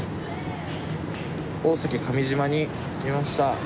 大崎上島に着きました！